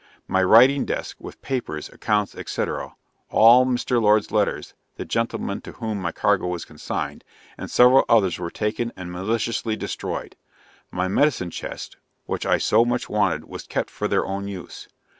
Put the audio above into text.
My writing desk, with papers, accounts, &c., all Mr. Lord's letters (the gentlemen to whom my cargo was consigned) and several others were taken and maliciously destroyed. My medicine chest, which I so much wanted, was kept for their own use.